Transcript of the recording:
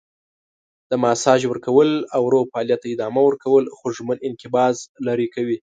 د ماساژ ورکول او ورو فعالیت ته ادامه ورکول خوږمن انقباض لرې کوي.